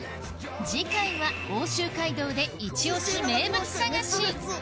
次回は奥州街道でイチ推し名物探し